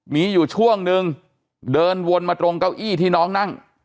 มีอยู่ช่วงนึงเดินวนมาตรงเก้าอี้ที่น้องนั่ง